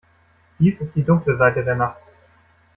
Dies ist die dunkle Seite der Nacht.